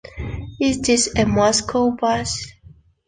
Is this a Moscow bus?